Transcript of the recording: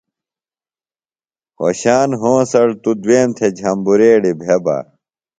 خوشان ہونسڑ توۡ دُوئیم تھےۡ جھبریڑی بھےۡ بہ۔